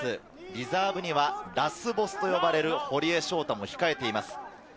リザーブにはラスボスと呼ばれる堀江翔太も控えています。